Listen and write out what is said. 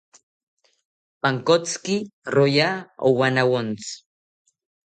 Pankotziki roya owanawontzi